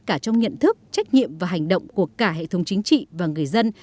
cả trong nhận thức trách nhiệm và hành động của cả hệ thống chính trị và người dân